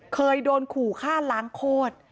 เคยโดนขู่ฆ่าล้างโคตร